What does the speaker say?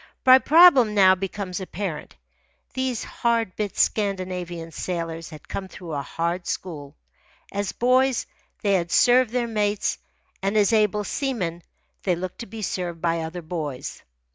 My problem now becomes apparent. These hard bit Scandinavian sailors had come through a hard school. As boys they had served their mates, and as able seamen they looked to be served by other boys.